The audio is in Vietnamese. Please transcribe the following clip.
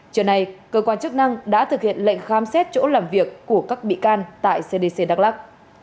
trưa nay cơ quan chức năng đã thực hiện lệnh khám xét chỗ làm việc của các bị can tại cdc đắk lắc